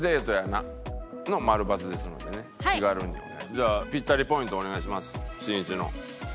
じゃあピッタリポイントお願いしますしんいちの。